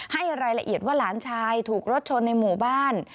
ให้รายละเอียดว่าหลานชายถูกรถชนในหมู่บ้าน